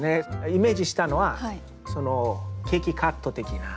イメージしたのはそのケーキカット的な。お！